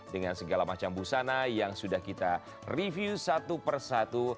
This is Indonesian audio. dengan segala macam busana yang sudah kita review satu persatu